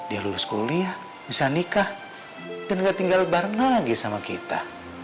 dia lulus kuliah bisa nikah dan gak tinggal bareng lagi sama kita